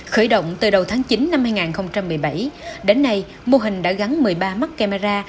khởi động từ đầu tháng chín năm hai nghìn một mươi bảy đến nay mô hình đã gắn một mươi ba mắt camera